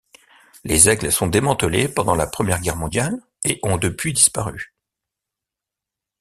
Les aigles sont démantelés pendant la Première Guerre mondiale et ont depuis disparu.